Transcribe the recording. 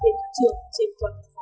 đến thị trường trên quận phố